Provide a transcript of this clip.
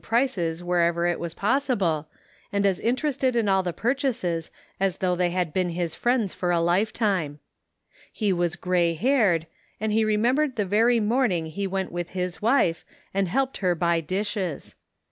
11 prices whenever it was possible, and as inter ested in all the purchases, as though they had been his friends for a lifetime. He was gray haired, and he remembered the very morning he went with his wife and helped her buy dishes.